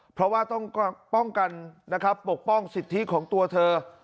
เพราะว่าต้องป้องกันนะครับปกป้องสิทธิของตัวเธอ